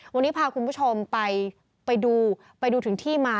วันนี้พาคุณผู้ชมไปดูไปดูถึงที่มา